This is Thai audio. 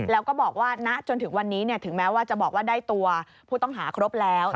แล้วก็บอกว่าณจนถึงวันนี้ถึงแม้ว่าจะบอกว่าได้ตัวผู้ต้องหาครบแล้ว